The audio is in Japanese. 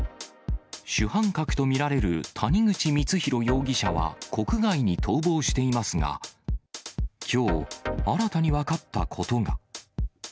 主犯格と見られる谷口光弘容疑者は国外に逃亡していますが、きょう、新たに分かったことが。